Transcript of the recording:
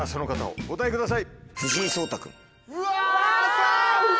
お答えください。